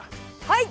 はい！